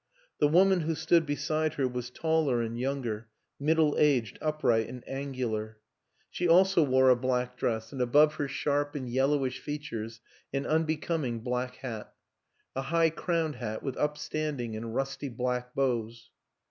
The woman who stood beside her was taller and younger, middle aged, upright, and angular ; she also wore a black WILLIAM AN ENGLISHMAN 99 dress, and above her sharp and yellowish features an unbecoming black hat a high crowned hat with upstanding and rusty black bows.